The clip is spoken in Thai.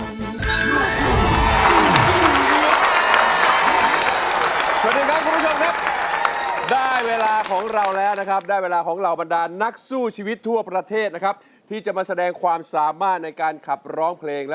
สนุนโดยอวดหัวเป็นไข้ซาร่ายาเม็ดมันเทาปวดลดไข้พาราซาจม่อ๕๐๐มิลลิกรัม